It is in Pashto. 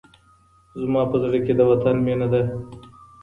زما په زړه کي د وطن مينه ده.